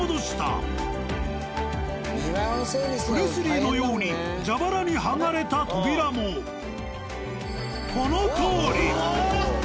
プレスリーのように蛇腹に剥がれた扉もこのとおり。